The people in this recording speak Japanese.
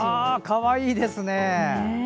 かわいいですね。